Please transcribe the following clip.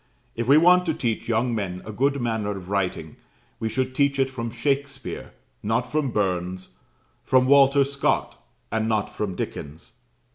If we want to teach young men a good manner of writing, we should teach it from Shakspeare, not from Burns; from Walter Scott, and not from Dickens.